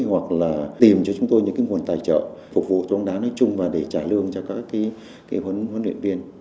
hoặc là tìm cho chúng tôi những cái nguồn tài trợ phục vụ đông đá nói chung và để trả lương cho các cái huấn luyện viên